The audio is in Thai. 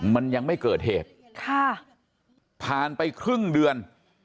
มันยังไม่เกิดเหตุค่ะผ่านไปครึ่งเดือน